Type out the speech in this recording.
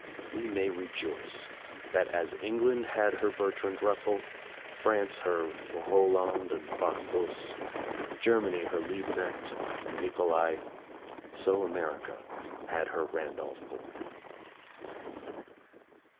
We may rejoice that as England had her Bertrand Russell, France her Roll and and Bar busse, Germany her Liebknecht and Nicolai, so America had her Randolph Bourne.